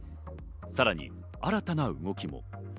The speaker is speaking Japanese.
さらに新たな動きも。